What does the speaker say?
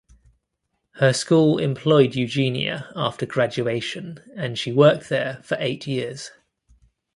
Her school employed Eugenia after graduation and she worked there for eight years.